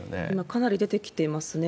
かなり出てきていますね。